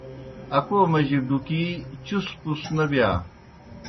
اکو مجیْ ڈُکِی چُس پُش نہ بِیا۔